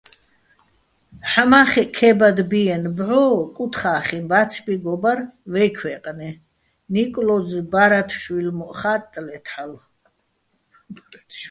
ჰ̦ამა́ხეჸ ქე́ბადბიენო̆ ბჵო კუთხახიჼ ბა́ცბიგო ბარ ვეჲ ქვეჲყნე, ნიკლო́ზ ბა́რათშვილ მო́ჸ ხა́ტტლეთ ჰ̦ალო̆.